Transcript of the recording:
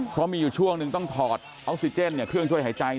เพราะมีอยู่ช่วงหนึ่งต้องถอดออกซิเจนเครื่องช่วยหายใจ